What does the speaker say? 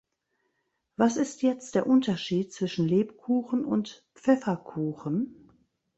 Was ist jetzt der Unterschied zwischen Lebkuchen und Pfefferkuchen?